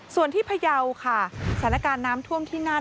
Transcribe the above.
ส่วนที่พยาวค่ะสถานการณ์น้ำท่วมที่น่าน